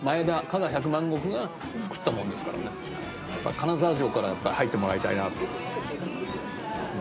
金沢城からやっぱり入ってもらいたいなと。